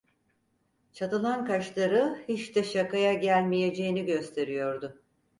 Çatılan kaşları, hiç de şakaya gelmeyeceğini gösteriyordu.